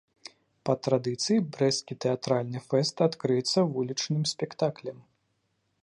Па традыцыі брэсцкі тэатральны фэст адкрыецца вулічным спектаклем.